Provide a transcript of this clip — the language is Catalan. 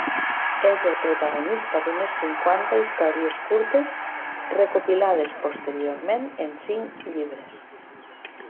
És el protagonista d'unes cinquanta històries curtes recopilades posteriorment en cinc llibres.